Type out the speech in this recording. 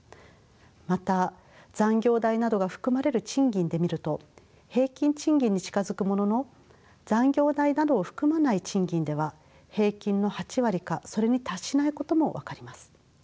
また残業代などが含まれる賃金で見ると平均賃金に近づくものの残業代などを含まない賃金では平均の８割かそれに達しないことも分かります。